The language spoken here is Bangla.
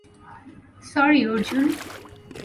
স্যরি, অর্জুন।